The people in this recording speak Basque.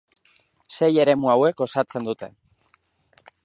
Sei eremu hauek osatzen dute.